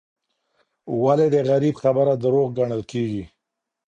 ولي د غریب خبره دروغ ګڼل کیږي؟